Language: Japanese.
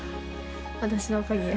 私のおかげや。